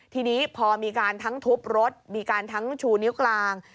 ทีนี้พอมีการทั้งทุบรถมีการทั้งชูนิ้วกลาง